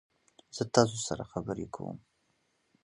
زه تاسو سره خبرې کوم.